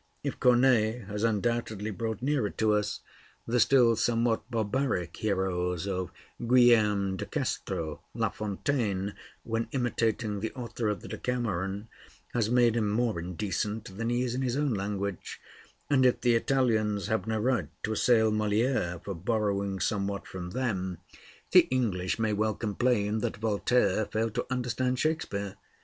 If Corneille has undoubtedly brought nearer to us the still somewhat barbaric heroes of Guillem de Castro, La Fontaine, when imitating the author of the Decameron, has made him more indecent than he is in his own language; and if the Italians have no right to assail Molière for borrowing somewhat from them, the English may well complain that Voltaire failed to understand Shakespeare.